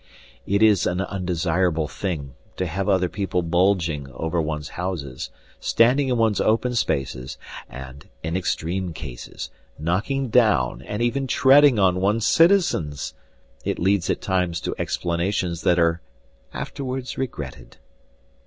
It is an undesirable thing to have other people bulging over one's houses, standing in one's open spaces, and, in extreme cases, knocking down and even treading on one's citizens. It leads at times to explanations that are afterwards regretted.